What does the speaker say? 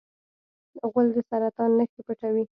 غول د سرطان نښې پټوي.